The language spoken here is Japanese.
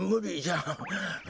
ん？